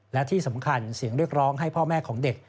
และที่สำคัญเสียงเรียกร้องให้พ่อแม่ของเด็ก